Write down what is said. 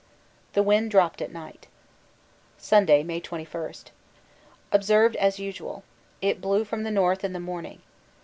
The wind dropped at night. Sunday, May 21. Observed as usual. It blew from the north in the morning.